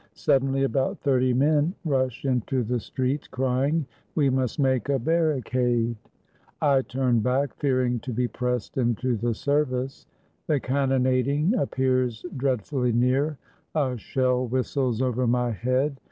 Suddenly about thirty men rush into the streets, crying, "We must make a barricade." I turn back, fearing to be pressed into the service. The cannonading appears dreadfully near. A shell whistles over my head.